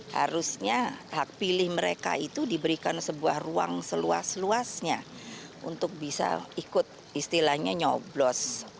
harusnya hak pilih mereka itu diberikan sebuah ruang seluas luasnya untuk bisa ikut istilahnya nyoblos